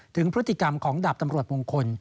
ถึงพฤติกรรมของดาบตำรวจมงคล